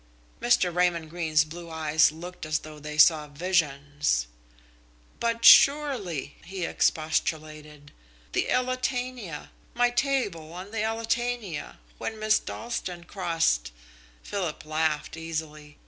Mr. Raymond Greene's blue eyes looked as though they saw visions. "But surely," he expostulated, "the Elletania my table on the Elletania, when Miss Dalstan crossed " Philip laughed easily.